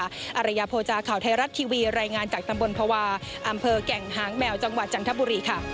อารยาโภจาข่าวไทยรัฐทีวีรายงานจากตำบลภาวะอำเภอแก่งหางแมวจังหวัดจันทบุรีค่ะ